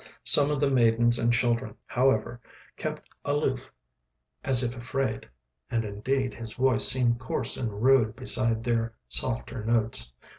Some of the maidens and children, however, kept aloof as if afraid, and indeed his voice seemed coarse and rude beside their softer notes.